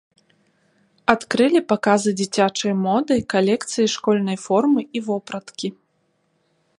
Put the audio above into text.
Адкрылі паказы дзіцячай моды калекцыі школьнай формы і вопраткі.